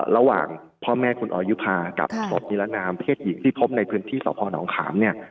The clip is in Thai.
ระหว่างพ่อแม่คุณออยยุภากับสมพนิลนามเพศหญิงที่พบในพื้นที่สระพอหนองขาม